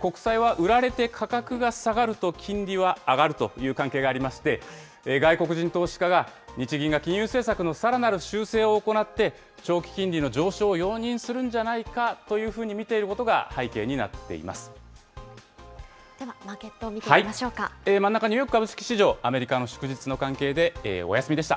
国債は売られて価格が下がると金利は上がるという関係がありまして、外国人投資家が日銀が金融政策のさらなる修正を行って、長期金利の上昇を容認するんじゃないかというふうに見ていることが背ではマーケットを見ていきま真ん中、ニューヨーク株式市場、アメリカの祝日の関係でお休みでした。